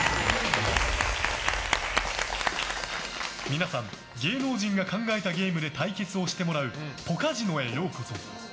皆さん、芸能人が考えたゲームで対決をしてもらうポカジノへようこそ。